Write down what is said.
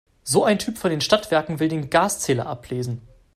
So ein Typ von den Stadtwerken will den Gaszähler ablesen.